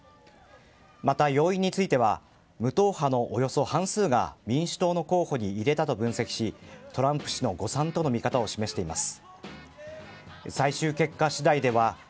また、要因については無党派のおよそ半数が民主党の候補に入れたと分析しトランプ氏の誤算との見方を示しています。